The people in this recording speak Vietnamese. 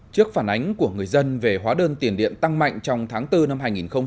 trước phản ánh của người dân về hóa đơn tiền điện tăng mạnh trong tháng bốn năm hai nghìn hai mươi